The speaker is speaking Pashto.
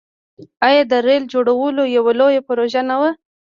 آیا د ریل جوړول یوه لویه پروژه نه وه؟